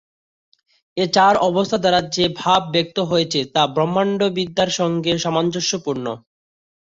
এ চার অবস্থা দ্বারা যে ভাব ব্যক্ত হয়েছে তা ব্রহ্মান্ডবিদ্যার সঙ্গে সামঞ্জস্যপূর্ণ।